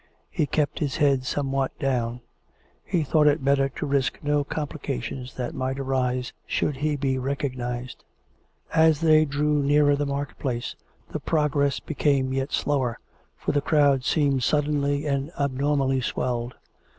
He kept his head somewhat down; he thought it better to risk no complications that might arise should he be recognised. As they drew nearer the market place the progress be came yet slower, for the crowd seemed suddenly and ab normally swelled.